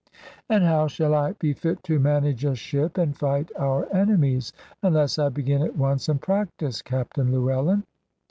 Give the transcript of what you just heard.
"And how shall I be fit to manage a ship, and fight our enemies, unless I begin at once, and practise, Captain Llewellyn?"